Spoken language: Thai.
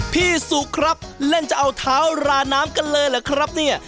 พี่สุครับเล่นจะเอาเท้าราน้ำกันเลยเหรอครับเนี่ย